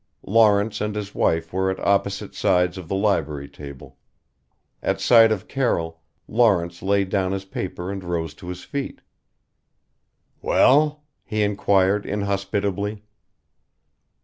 Lawrence and his wife were at opposite sides of the library table. At sight of Carroll, Lawrence laid down his paper and rose to his feet. "Well?" he inquired inhospitably.